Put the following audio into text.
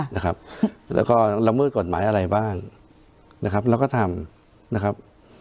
แล้วก็ละเมิดกฎหมายอะไรบ้างนะครับเราก็ทำนะครับ